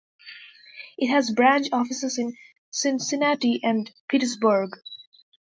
It has branch offices in Cincinnati and Pittsburgh.